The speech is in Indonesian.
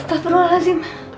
tak perlu lagi bangun